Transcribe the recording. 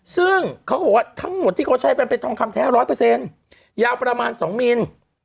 ซึ่งเขาบอกว่าทั้งหมดที่เขาใช้เป็นเป็นทองคำแท้ร้อยเปอร์เซ็นต์ยาวประมาณสองมิล